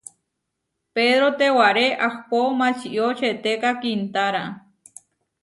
Pedró tewaré ahpó mačió četéka kiintára.